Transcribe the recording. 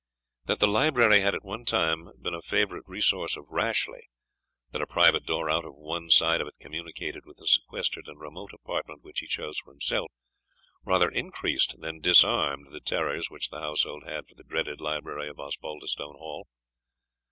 That the library had at one time been a favourite resource of Rashleigh that a private door out of one side of it communicated with the sequestered and remote apartment which he chose for himself, rather increased than disarmed the terrors which the household had for the dreaded library of Osbaldistone Hall.